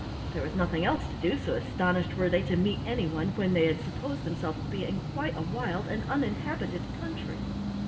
There was nothing else to do, so astonished were they to meet any one when they had supposed themselves to be in quite a wild and uninhabited country.